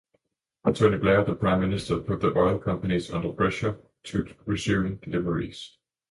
Tony Blair, the Prime Minister put the oil companies under pressure to resume deliveries.